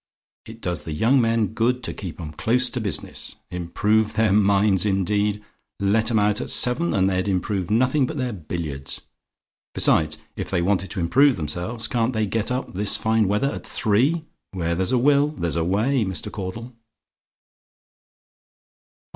It does the young men good to keep 'em close to business. Improve their minds indeed! Let 'em out at seven, and they'd improve nothing but their billiards. Besides, if they want to improve themselves, can't they get up, this fine weather, at three? Where there's a will, there's a way, Mr. Caudle."